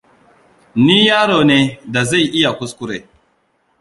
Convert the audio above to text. Ni yaro ne da zai iya kuskure.